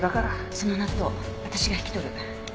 その納豆私が引き取る。